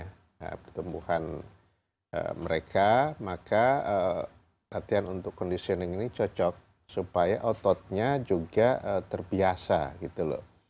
nah pertumbuhan mereka maka latihan untuk conditioning ini cocok supaya ototnya juga terbiasa gitu loh